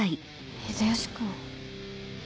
秀吉君。